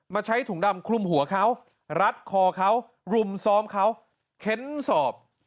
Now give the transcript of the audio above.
ใช้ถุงดำคลุมหัวเขารัดคอเขารุมซ้อมเขาเค้นสอบ